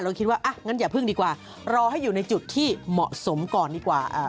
คิดว่าอ่ะงั้นอย่าพึ่งดีกว่ารอให้อยู่ในจุดที่เหมาะสมก่อนดีกว่า